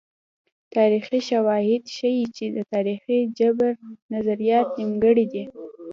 تاریخي شواهد ښيي چې د تاریخي جبر نظریات نیمګړي دي.